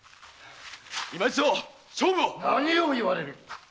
今一度勝負を何を言われる。